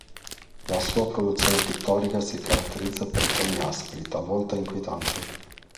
La sua produzione pittorica si caratterizza per i toni aspri, talvolta inquietanti.